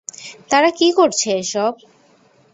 তারা কী করছে এসব?